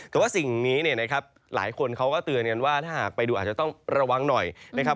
แต่ว่าสิ่งนี้เนี่ยนะครับหลายคนเขาก็เตือนกันว่าถ้าหากไปดูอาจจะต้องระวังหน่อยนะครับ